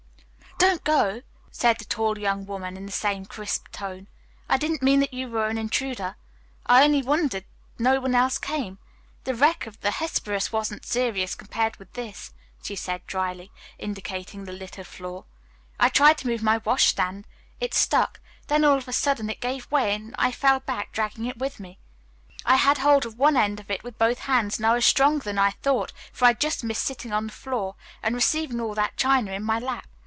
"Don't go," said the tall young woman, in the same crisp tone. "I didn't mean that you were an intruder. I only wonder that no one else came. The wreck of the Hesperus wasn't serious compared with this," she said dryly, indicating the littered floor. "I tried to move my wash stand. It stuck. Then all of a sudden it gave way and I fell back, dragging it with me. I had hold of one end of it with both hands, and I was stronger than I thought, for I just missed sitting on the floor and receiving all that china in my lap.